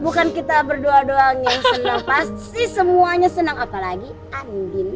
bukan kita berdua doang yang senang pasti semuanya senang apalagi andy